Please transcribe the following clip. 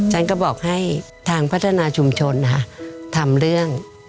ฉันก็บอกให้ทางพัฒนาชุมชนทำเรื่อง